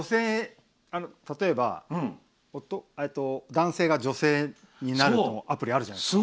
例えば男性が女性になるアプリがあるじゃないですか。